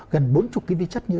gần bốn mươi loại yếu tố ví chất